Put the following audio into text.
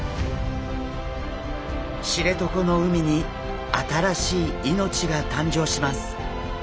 知床の海に新しい命が誕生します。